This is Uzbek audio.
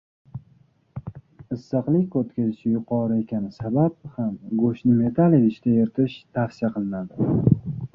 Issiqlik o‘tkazishi yuqori ekani sabab ham go‘shtni metall idishda eritish tavsiya qilinadi